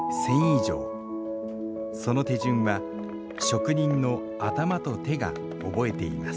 その手順は職人の頭と手が覚えています